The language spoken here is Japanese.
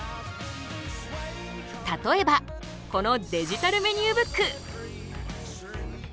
例えばこのデジタルメニューブック。